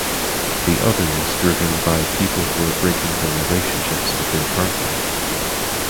The others driven by people who are breaking their relationships with their partner.